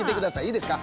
いいですか。